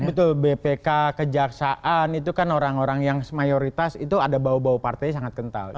betul bpk kejaksaan itu kan orang orang yang mayoritas itu ada bau bau partai sangat kental